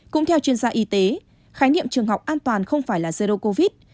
cũng theo chuyên gia y tế khái niệm trường học an toàn không phải là zero covid